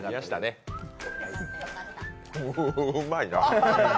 うまいな！